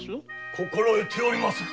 心得ておりまする。